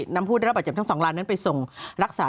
นำผู้ได้รับบาดเจ็บทั้ง๒ลายนั้นไปส่งรักษา